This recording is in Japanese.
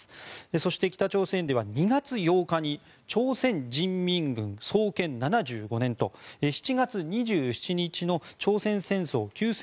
そして、北朝鮮では２月８日に朝鮮人民軍創建７５年と７月２７日の朝鮮戦争休戦